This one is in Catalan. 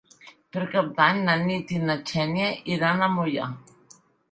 Per Cap d'Any na Nit i na Xènia iran a Moià.